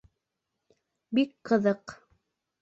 — Бик ҡыҙыҡ!